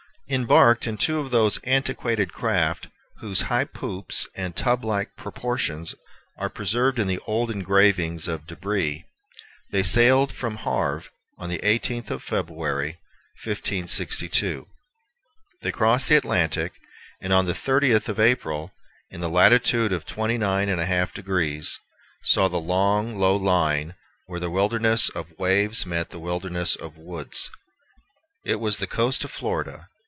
Embarked in two of those antiquated craft whose high poops and tub like porportions are preserved in the old engravings of De Bry, they sailed from Havre on the eighteenth of February, 1562. They crossed the Atlantic, and on the thirtieth of April, in the latitude of twenty nine and a half degrees, saw the long, low line where the wilderness of waves met the wilderness of woods. It was the coast of Florida.